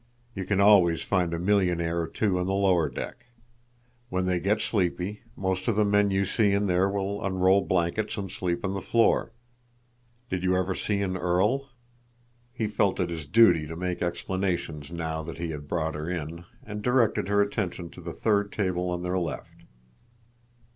You can always find a millionaire or two on the lower deck. When they get sleepy, most of the men you see in there will unroll blankets and sleep on the floor. Did you ever see an earl?" He felt it his duty to make explanations now that he had brought her in, and directed her attention to the third table on their left.